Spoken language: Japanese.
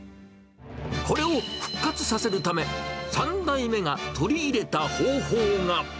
これを復活させるため、３代目が取り入れた方法が。